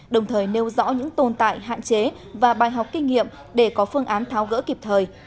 đồng thời nêu rõ những tồn tại hạn chế và bài học kinh nghiệm để có phương án tháo gỡ kịp thời